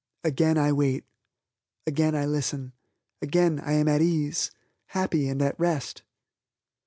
Again I wait. Again I listen. Again I am at ease, happy, and at rest.